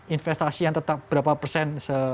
investasi yang tetap berapa persen